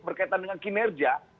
berkaitan dengan kinerja